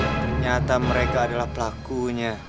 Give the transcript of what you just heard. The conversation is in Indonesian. ternyata mereka adalah pelakunya